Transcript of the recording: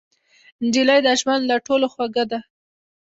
نجلۍ د ژوند له ټولو خوږه ده.